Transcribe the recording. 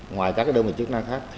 ngoài các đơn vị chức năng khác